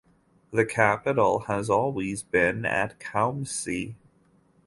The capital has always been at Kumasi.